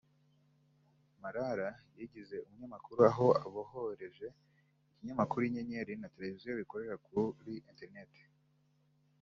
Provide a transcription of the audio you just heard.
Marara yigize umunyamakuru aho abohoreje Ikinyamakuru Inyenyeri na television bikorera kuri internet